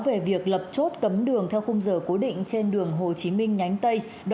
về việc lập chốt cấm đường theo khung giờ cố định trên đường hồ chí minh nhánh tây